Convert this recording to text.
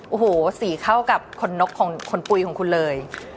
โอ้โหสีเข้ากับคนนกของคนปุ๋ยของคุณเลย